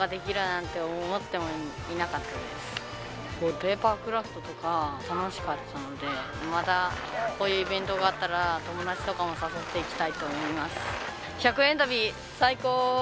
ペーパークラフトとか楽しかったのでまたこういうイベントがあったら友達とかも誘って行きたいと思います。